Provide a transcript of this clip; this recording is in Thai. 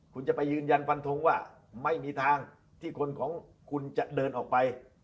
คุณจะไปยืนยันฟันทงว่าไม่มีทางที่คนของคุณจะเดินออกไป